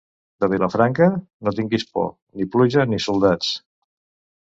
De Vilafranca? No tinguis por: ni pluja ni soldats.